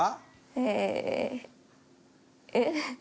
えーえっ？